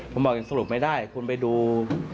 ผมบอกยังสรุปไม่ได้คุณไปดู